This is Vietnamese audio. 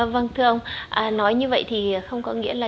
vâng thưa ông nói như vậy thì không có nghĩa là